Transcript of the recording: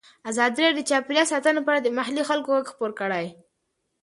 ازادي راډیو د چاپیریال ساتنه په اړه د محلي خلکو غږ خپور کړی.